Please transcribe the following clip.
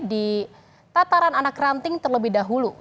di tataran anak ranting terlebih dahulu